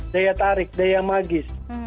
daya tarik daya magis